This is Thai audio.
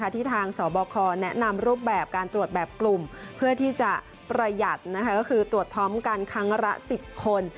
ที่ทางสบคแนะนำรูปแบบการตรวจแบบกลุ่มเพื่อที่จะประหยัดก็คือตรวจพร้อมกันครั้งละ๑๐คน